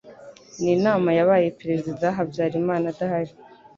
Ni inama yabaye Perezida Habyarimana adahari